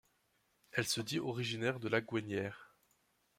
Elle se dit originaire de La Gouesnière.